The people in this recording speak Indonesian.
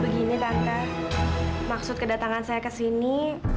begini tante maksud kedatangan saya ke sini